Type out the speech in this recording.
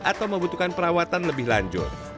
atau membutuhkan perawatan lebih lanjut